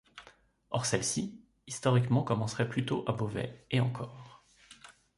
Or celle-ci, historiquement commencerait plutôt à Beauvais, et encore.